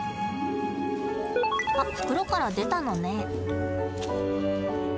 あ袋から出たのね。